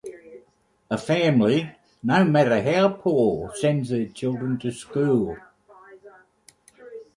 A family no matter how poor, sends their children to school.